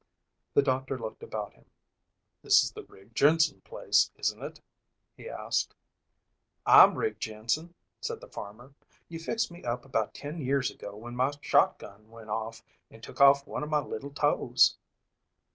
The doctor looked about him. "This is the Rigg Jensen place, isn't it?" he asked. "I'm Rigg Jensen," said the farmer. "You fixed me up about ten years ago when my shotgun went off and took off one of my little toes."